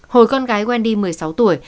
hồi con gái wendy một mươi sáu tuổi